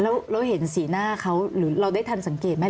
แล้วเราเห็นสีหน้าเขาหรือเราได้ทันสังเกตไหม